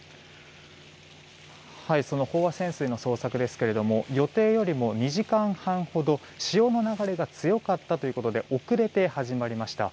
飽和潜水の捜索ですが予定よりも２時間半ほど潮の流れが強かったということで遅れて始まりました。